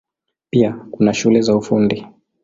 Pia kuna shule za Ufundi.